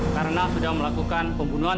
karena sudah melakukan pembunuhan